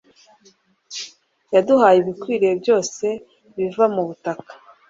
yaduhaye ibikwiriye byose biva mu butaka